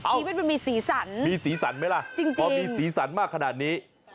เอ้าทีมันมันมีสีสันมีสีสันไหมล่ะจริงเพราะมีสีสันมากขนาดนี้